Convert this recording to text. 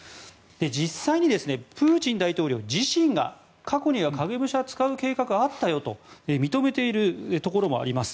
実際にプーチン大統領自身が過去には影武者を使う計画があったよと認めているところもあります。